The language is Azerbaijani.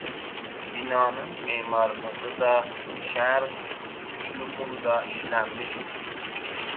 Binanın memarlığı da Şərq üslubunda işlənmişdir.